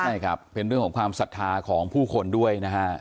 ใช่ครับเป็นเรื่องของความศรัทธาของผู้คนด้วยนะฮะ